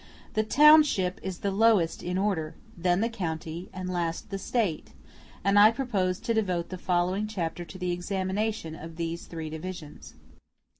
The township is the lowest in order, then the county, and lastly the State; and I propose to devote the following chapter to the examination of these three divisions.